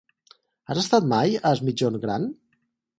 Has estat mai a Es Migjorn Gran?